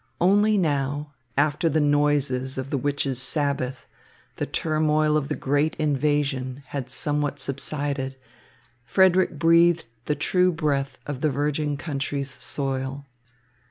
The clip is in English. Only now, after the noises of the Witches' Sabbath, the turmoil of the great invasion, had somewhat subsided, Frederick breathed the true breath of the virgin country's soil.